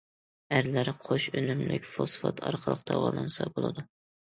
ئەرلەر قوش ئۈنۈملۈك فوسفات ئارقىلىق داۋالانسا بولىدۇ.